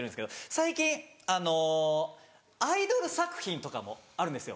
最近アイドル作品とかもあるんですよ。